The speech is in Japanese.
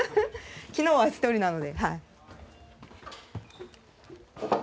昨日は１人なので。